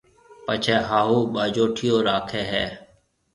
پڇيَ ھاھُو ٻاجوٽيو راکيَ ھيََََ